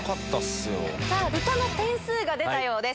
さあ、歌の点数が出たようです。